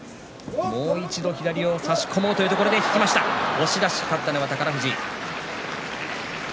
押し出し、勝ったのは宝富士。